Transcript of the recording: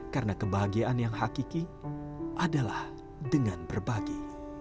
karena kebahagiaan yang hakiki adalah dengan berbagi